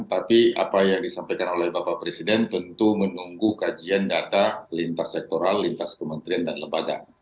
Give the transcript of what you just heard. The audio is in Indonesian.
tapi apa yang disampaikan oleh bapak presiden tentu menunggu kajian data lintas sektoral lintas kementerian dan lembaga